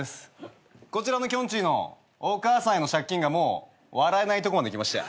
こちらのきょんちぃのお母さんへの借金がもう笑えないとこまできました。